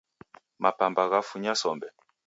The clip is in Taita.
Mapamba ghafunya sombe